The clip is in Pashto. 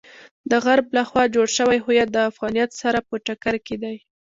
د غرب لخوا جوړ شوی هویت د افغانیت سره په ټکر کې دی.